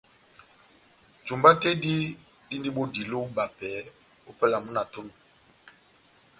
Jumba tɛ́h dí dindi bodilo ó ibapɛ ópɛlɛ ya múna tɛ́h onu